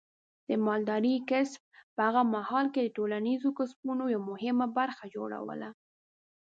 د مالدارۍ کسب په هغه مهال کې د ټولنیزو کسبونو یوه مهمه برخه جوړوله.